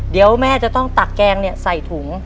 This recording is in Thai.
เดี๋ยวแม่จะต้องตักแกงใส่ถุง